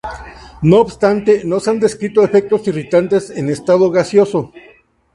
No obstante, no se han descrito efectos irritantes en estado gaseoso.